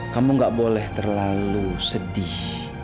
kamu gak boleh terlalu sedih